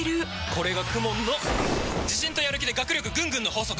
これがＫＵＭＯＮの自信とやる気で学力ぐんぐんの法則！